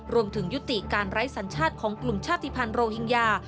รวมถึงยุติการไร้สัญชาติของกลุ่มชาติภัณฑ์โรฮิงญา